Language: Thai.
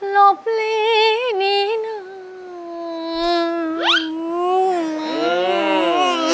ลบลีนินหนึ่ง